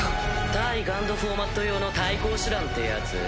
対ＧＵＮＤフォーマット用の対抗手段ってやつ？